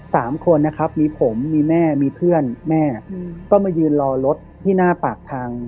สามคนนะครับมีผมมีแม่มีเพื่อนแม่อืมก็มายืนรอรถที่หน้าปากทาง